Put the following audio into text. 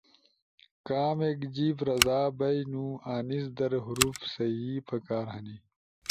کامیک جیب رزا بینو انیس در حروف صحیح پکار ہنی،